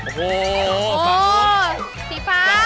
โอ้โหโอ้โหสีฟ้า